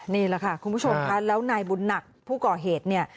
นี่แหละค่ะคุณผู้ชมค่ะแล้วนายบุญหนักผู้ก่อเหตุเนี่ย